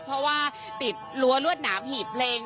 เพราะว่าติดรั้วรวดหนามหีบเพลง